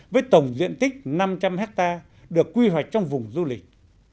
với tổng diện tích năm trăm linh hectare được quy hoạch trong vùng du lịch